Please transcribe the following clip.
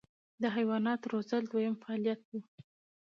د حیواناتو روزل دویم فعالیت و.